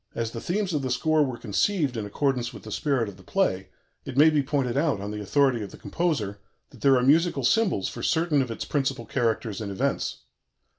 As the themes of the score were conceived in accordance with the spirit of the play, it may be pointed out, on the authority of the composer, that there are musical symbols for certain of its principal characters and events.